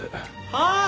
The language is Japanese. はあ？